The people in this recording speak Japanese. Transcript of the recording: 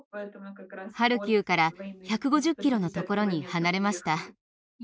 ハルキウから１５０キロのところに離れました。